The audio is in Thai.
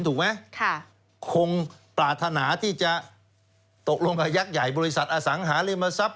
ถูกไหมคงปรารถนาที่จะตกลงกับยักษ์ใหญ่บริษัทอสังหาริมทรัพย